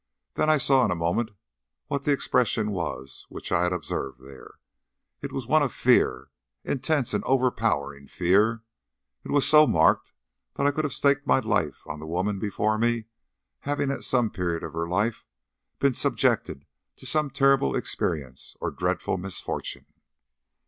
Then I saw in a moment what the expression was which I had observed there. It was one of fear intense and overpowering fear. It was so marked that I could have staked my life on the woman before me having at some period of her life been subjected to some terrible experience or dreadful misfortune.